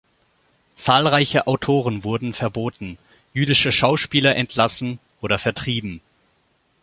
Zahlreiche Autoren wurden verboten, jüdische Schauspieler entlassen oder vertrieben.